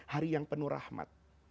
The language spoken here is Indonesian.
hari yang penuh rahmat